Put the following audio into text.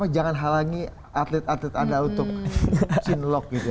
jangan halangi atlet atlet anda untuk shin lock gitu ya